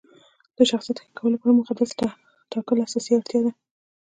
د شخصیت ښه کولو لپاره موخه ټاکل اساسي اړتیا ده.